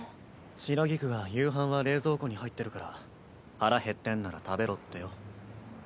白菊が夕飯は冷蔵庫に入ってるから腹減ってんなら食べろってよ。